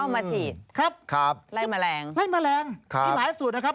มาฉีดครับครับไล่แมลงไล่แมลงครับมีหลายสูตรนะครับ